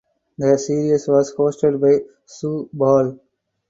The series was hosted by Zoe Ball.